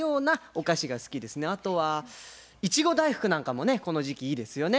あとはいちご大福なんかもねこの時期いいですよね。